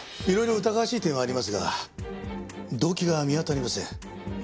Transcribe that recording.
いろいろ疑わしい点はありますが動機が見当たりません。